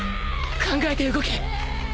考えて動け